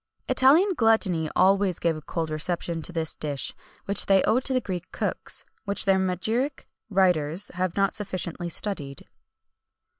[XXI 166] Italian gluttony always gave a cold reception to this dish, which they owed to the Greek cooks, and which their magiric writers have not sufficiently studied.